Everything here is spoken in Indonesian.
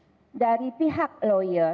nah kami dari pihak lawyer